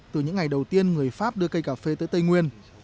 từ những ngày đầu tiên người pháp đưa cây cà phê tới tây nguyên